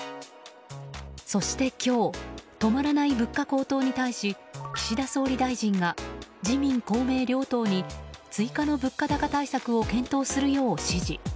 そして今日止まらない物価高騰に対し岸田総理大臣が自民・公明両党に追加の物価高対策を検討するよう指示。